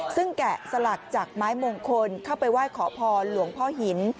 ซึ่งแกะสลักจากไม้มงคลเข้าไปไหว้ขอพรหลวงพ่อหิน